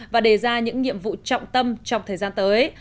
và đề ra những nhiệm vụ trọng tâm trong thời gian tới